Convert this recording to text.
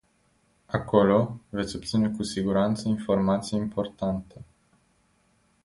Acolo, veți obține cu siguranță informații importante.